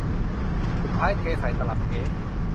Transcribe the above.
สุดท้ายเทใส่ตลับเก๋